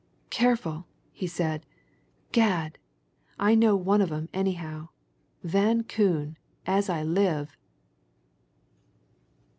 "Careful!" he said. "Gad! I know one of 'em, anyhow. Van Koon, as I live!"